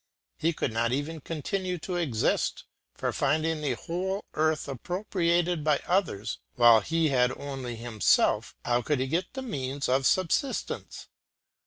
He could not even continue to exist, for finding the whole earth appropriated by others while he had only himself, how could he get the means of subsistence?